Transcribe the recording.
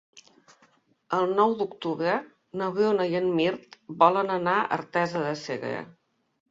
El nou d'octubre na Bruna i en Mirt volen anar a Artesa de Segre.